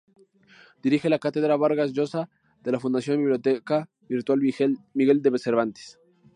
Dirige la Cátedra Vargas Llosa de la Fundación Biblioteca Virtual Miguel de Cervantes.